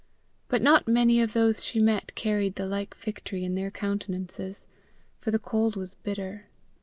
But not many of those she met carried the like victory in their countenances, for the cold was bitter.